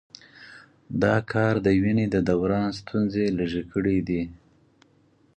دا کار د وینې د دوران ستونزې لږې کړي.